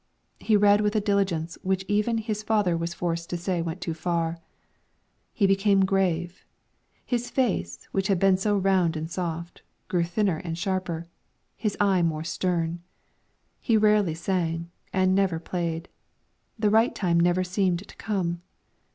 He read with a diligence which even his father was forced to say went too far. He became grave; his face, which had been so round and soft, grew thinner and sharper, his eye more stern; he rarely sang, and never played; the right time never seemed to come.